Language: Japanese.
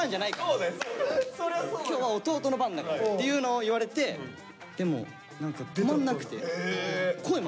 今日は弟の番だからっていうのを言われてでも止まんなくて。